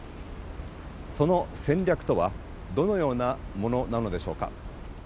その戦略とはどのようなものなのでしょうか。